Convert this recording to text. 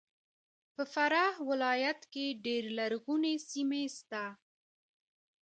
په فراه ولایت کې ډېر لرغونې سیمې سته